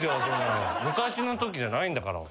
昔のときじゃないんだから。